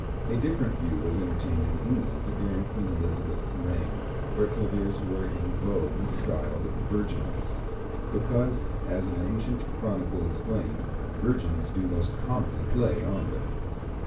A different view was entertained in England during Queen Elizabeth's reign, where claviers were in vogue styled virginals, because, as an ancient chronicle explained, "virgins do most commonly play on them."